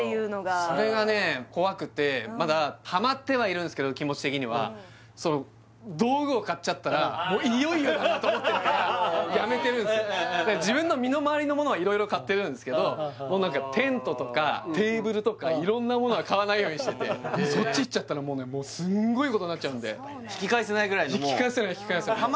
それがねえ怖くてまだハマってはいるんすけど気持ち的にはその道具を買っちゃったらもういよいよだなと思ってるからやめてるんす自分の身の回りの物は色々買ってるんすけどもう何かテントとかテーブルとか色んな物は買わないようにしててそっちいっちゃったらもうねすんごいことになっちゃうんで引き返せないぐらいのもう引き返せない引き返せない